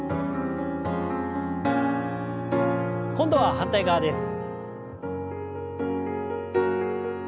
今度は反対側です。